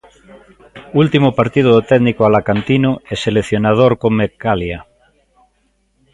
Último partido do técnico alacantino e seleccionador co Mecalia.